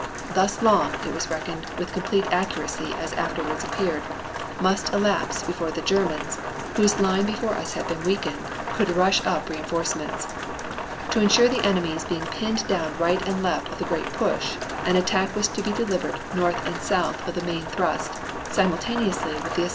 Thus long, it was reckoned (with complete accuracy as afterwards appeared), must elapse before the Germans, whose line before us had been weakened, could rush up reinforcements. To ensure the enemy's being pinned down right and left of the 'great push,' an attack was to be delivered north and south of the main thrust simultaneously with the assault on Neuve Chapelle."